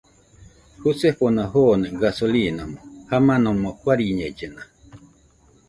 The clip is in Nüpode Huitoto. Jusefona joone gasolimo jamanomo guariñellena